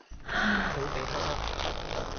請俾哈哈